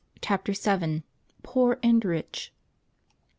CHAPTER VII POOR AND RICH.